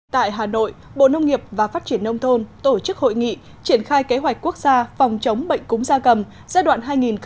tại hà nội bộ nông nghiệp và phát triển nông thôn tổ chức hội nghị triển khai kế hoạch quốc gia phòng chống bệnh cúng gia cầm giai đoạn hai nghìn một mươi chín hai nghìn hai mươi năm